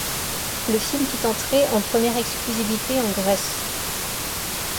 Le film fit entrées en première exclusivité en Grèce.